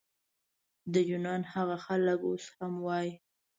که د یونان هغه خلک اوس هم وای.